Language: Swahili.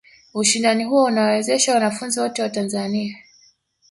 Ushindani huo unawezesha wanafunzi wote wa Tanzani